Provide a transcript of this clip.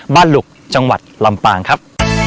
หลุกจังหวัดลำปางครับ